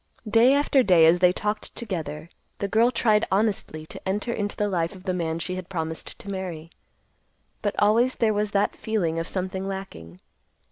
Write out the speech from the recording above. Day after day as they talked together, the girl tried honestly to enter into the life of the man she had promised to marry. But always there was that feeling of something lacking.